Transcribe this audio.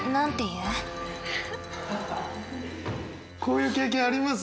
こういう経験あります？